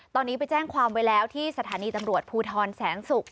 ตอนนี้ไปแจ้งความไว้แล้วที่สถานีตำรวจภูทรแสนศุกร์